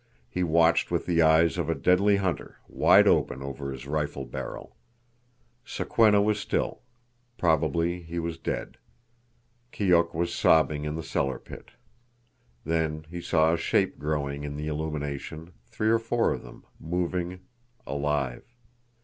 He watched with the eyes of a deadly hunter, wide open over his rifle barrel. Sokwenna was still. Probably he was dead. Keok was sobbing in the cellar pit. Then he saw a shape growing in the illumination, three or four of them, moving, alive.